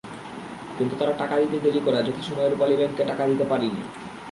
কিন্তু তারা টাকা দিতে দেরি করায় যথাসময়ে রূপালী ব্যাংককে টাকা দিতে পারিনি।